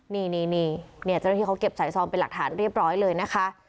นี่เจ้าหน้าที่เขาเก็บสายซองเป็นหลักฐานเรียบร้อยเลยนะคะ